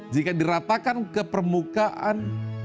jika diratakan ke permukaan